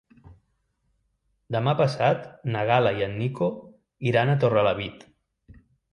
Demà passat na Gal·la i en Nico iran a Torrelavit.